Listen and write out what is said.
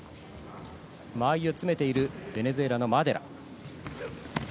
間合いを詰めている、ベネズエラのマデラ。